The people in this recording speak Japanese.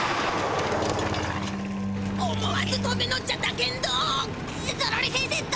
思わずとび乗っちゃったけんど。